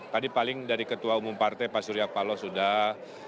tadi paling dari ketua umum partai pak surya paloh sudah